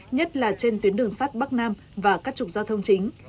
nhất là trên tuyến đường sắt bắc nam và các trục giao thông chính